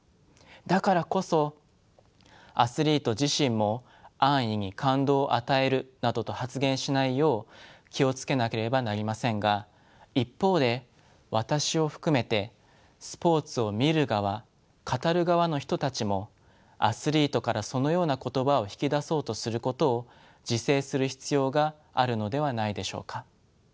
だからこそアスリート自身も安易に「感動を与える」などと発言しないよう気を付けなければなりませんが一方で私を含めてスポーツを「見る側」「語る側」の人たちもアスリートからそのような言葉を引き出そうとすることを自制する必要があるのではないでしょうか。